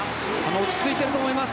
落ち着いていると思います。